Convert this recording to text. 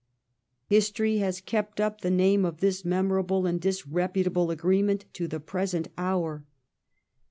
History has kept up the name of this memorable and disreputable agreement to the present hour.